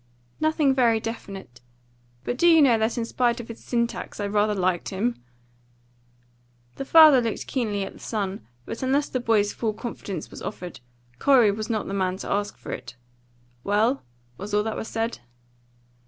"Nothing very definite. But do you know that in spite of his syntax I rather liked him?" The father looked keenly at the son; but unless the boy's full confidence was offered, Corey was not the man to ask it. "Well?" was all that he said.